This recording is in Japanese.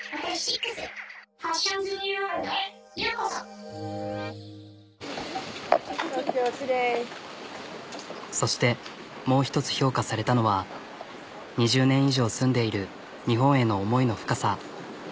はじめまして私Ｓ六Ｓそしてもう一つ評価されたのは２０年以上住んでいる日本への思いの深さ。